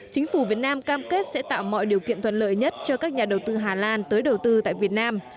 chính phủ việt nam cam kết sẽ tạo mọi điều kiện thuận lợi nhất cho các nhà đầu tư hà lan tới đầu tư tại việt nam